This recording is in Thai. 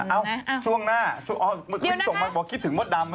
เอ้าช่วงหน้าพี่สงมาบอกว่าเคยคิดถึงมดดำ